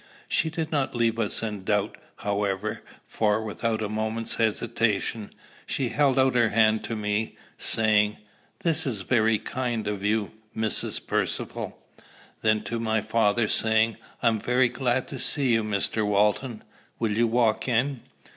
She did not leave us in doubt, however; for, without a moment's hesitation, she held out her hand to me, saying, "This is kind of you, Mrs. Percivale;" then to my father, saying, "I'm very glad to see you, Mr. Walton. Will you walk in?"